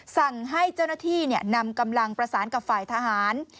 สั่งให้เจ้าหน้าที่นำกำลังประสานกับฝ่ายทหาร